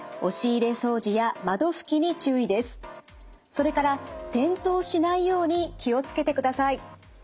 それから転倒しないように気を付けてください。